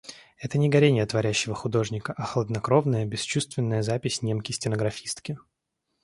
Это не горение творящего художника, а хладнокровная, бесчувственная запись немки-стенографистки.